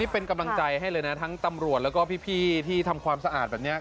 เป็นกำลังใจให้เลยนะทั้งตำรวจแล้วก็พี่ที่ทำความสะอาดแบบนี้